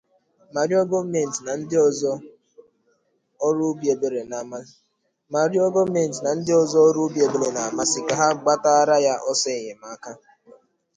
ma rịọ gọọmenti na ndị ọzọ ọrụ obiebere na-amasị ka ha gbatara ya ọsọ enyemaka